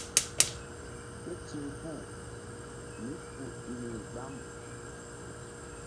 Ké ti̧h puh mí ku i niri gbam.